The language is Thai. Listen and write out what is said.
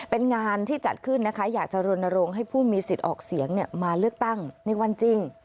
เป็นงานที่จัดขึ้นนะคะอยากจะรณรงค์ให้ผู้มีสิทธิ์ออกเสียงมาเลือกตั้งในวันจริง